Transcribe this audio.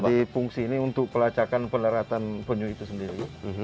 jadi fungsi ini untuk pelacakan peneratan penyuh itu sendiri